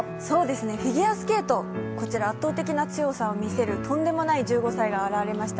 フィギュアスケート、こちら圧倒的な強さを見せるとんでもない１５歳が現れました。